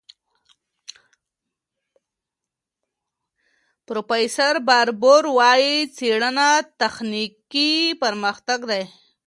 پروفیسور باربور وايي، څېړنه تخنیکي پرمختګ دی.